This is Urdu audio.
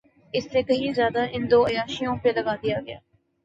اس سے کہیں زیادہ ان دو عیاشیوں پہ لگا دیا گیا۔